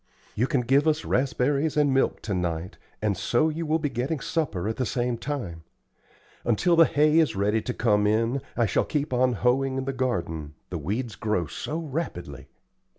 "You can give us raspberries and milk to night, and so you will be getting supper at the same time. Until the hay is ready to come in, I shall keep on hoeing in the garden, the weeds grow so rapidly.